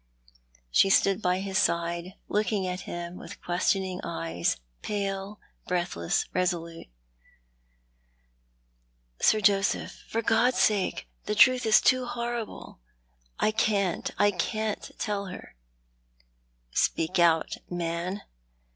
She stood by his side, looking at him with questioning eyes, pale, breathless, resolule. "Sir Joseph, for God's sake— the truth is too horrible! I can't, I can't lell her "" Speak out, man